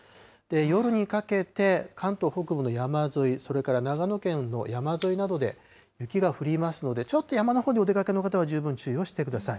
夜にかけて、関東北部の山沿い、それから長野県の山沿いなどで雪が降りますので、ちょっと山のほうにお出かけの方は十分注意をしてください。